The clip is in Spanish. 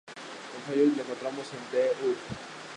En Fallout, lo encontramos en The Hub.